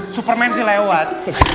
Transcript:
superman sih lewat